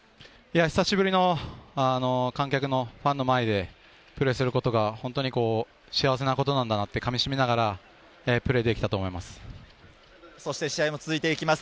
久しぶりの観客の、ファンの前でプレーをすることが本当に幸せなことなんだなと噛みしめながらプレーできたと思います。